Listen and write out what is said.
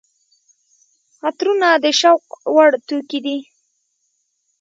عطرونه د شوق وړ توکي دي.